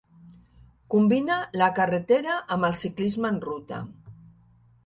Combina la carretera amb el ciclisme en ruta.